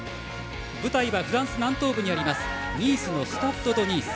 舞台はフランス南東部にありますニースのスタッド・ド・ニース。